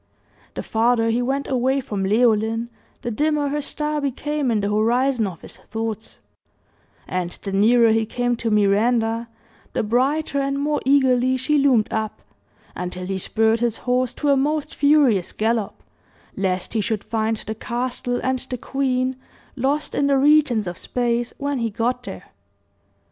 The farther he went away from Leoline, the dimmer her star became in the horizon of his thoughts; and the nearer he came to Miranda, the brighter and more eagerly she loomed up, until he spurred his horse to a most furious gallop, lest he should find the castle and the queen lost in the regions of space when he got there.